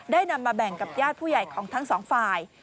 นำมาแบ่งกับญาติผู้ใหญ่ของทั้งสองฝ่าย